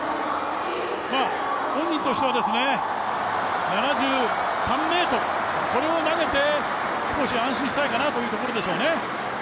本人としては７３ｍを投げて少し安心したいかなというところでしょうね。